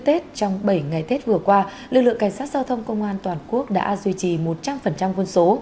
trong bảy ngày tết vừa qua lực lượng cảnh sát giao thông công an toàn quốc đã duy trì một trăm linh quân số